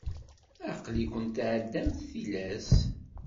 Aql-ikent tεedamt tilas.